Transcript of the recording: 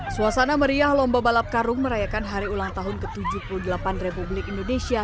suasana meriah lomba balap karung merayakan hari ulang tahun ke tujuh puluh delapan republik indonesia